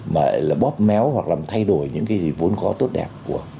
mà bóp méo hoặc làm thay đổi những cái vốn có tốt đẹp